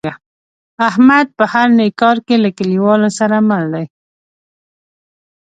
احمد په هر نیک کار کې له کلیوالو سره مل دی.